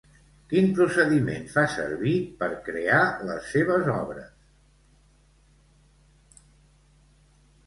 Quin procediment fa servir per crear les seves obres?